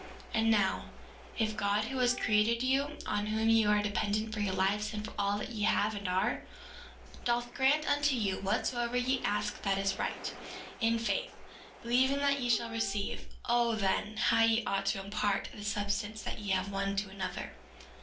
4:21 And now, if God, who has created you, on whom you are dependent for your lives and for all that ye have and are, doth grant unto you whatsoever ye ask that is right, in faith, believing that ye shall receive, O then, how ye ought to impart of the substance that ye have one to another.